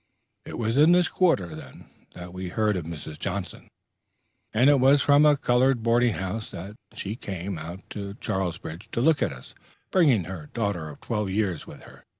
It was in this quarter, then, that we heard of Mrs. Johnson; and it was from a colored boarding house there that she came out to Charlesbridge to look at us, bringing her daughter of twelve years with her.